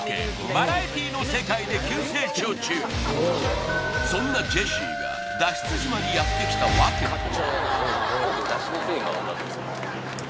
バラエティの世界で急成長中そんなジェシーが脱出島にやってきた訳とは？